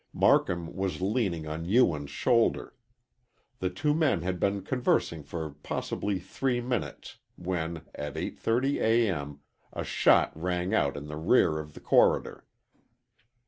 Marcum was leaning on Ewen's shoulder. The two men had been conversing for possibly three minutes, when, at 8.30 A. M., a shot rang out in the rear of the corridor.